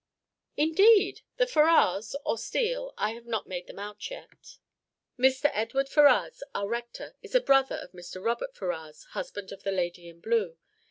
"Indeed! the Ferrars, or Steele I have not made them out yet " "Mr. Edward Ferrars, our Rector, is a brother of Mr. Robert Ferrars, husband of the lady in blue.